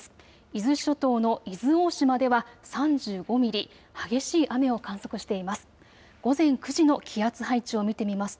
伊豆諸島の伊豆大島では３５ミリ、激しい雨を観測しています。